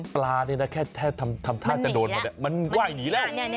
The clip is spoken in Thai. ปลานี่นะแค่ทำท่าจะโดนมาเนี่ยมันไหว้หนีแล้ว